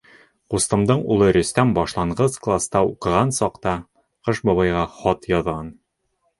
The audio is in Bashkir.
Ҡустымдың улы Рөстәм башланғыс класта уҡыған саҡта Ҡыш бабайға хат яҙған.